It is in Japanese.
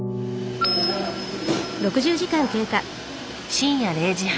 深夜０時半。